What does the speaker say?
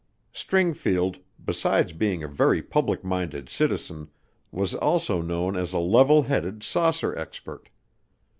Stringfield, besides being a very public minded citizen, was also known as a level headed "saucer expert."